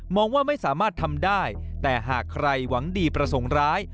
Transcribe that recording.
ว่าไม่สามารถทำได้แต่หากใครหวังดีประสงค์ร้าย